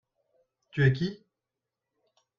Tu es qui ?